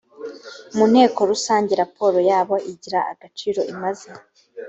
mu nteko rusange raporo yabo igira agaciro imaze